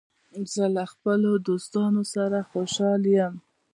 زه له خپلو دوستانو سره خوشحال یم.